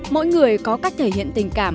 mỗi người có cách thể hiện tình cảm